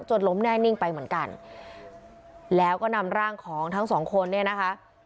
ล้มแน่นิ่งไปเหมือนกันแล้วก็นำร่างของทั้งสองคนเนี่ยนะคะ